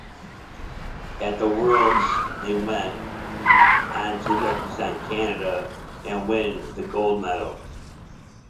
At the Worlds they went on to represent Canada and win the gold medal.